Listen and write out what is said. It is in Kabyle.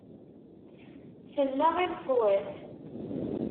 Selleɣ i leṣwat.